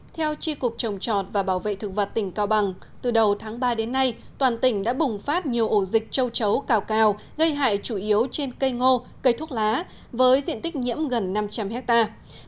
theo tri cục trồng trọt và bảo vệ thực vật tỉnh cao bằng từ đầu tháng ba đến nay toàn tỉnh đã bùng phát nhiều ổ dịch châu chấu cào cao gây hại chủ yếu trên cây ngô cây thuốc lá với diện tích nhiễm gần năm trăm linh hectare